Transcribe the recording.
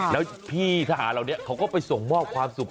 แล้วพี่ทหารเหล่านี้เขาก็ไปส่งมอบความสุข